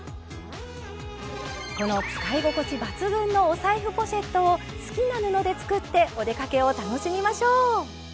この使い心地抜群のお財布ポシェットを好きな布で作ってお出かけを楽しみましょう。